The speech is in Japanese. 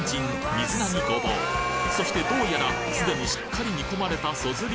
水菜にごぼうそしてどうやらすでにしっかり煮込まれたそずり